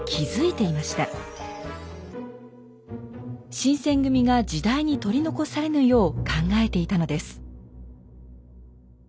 新選組が時代に取り残されぬよう考えていたのです。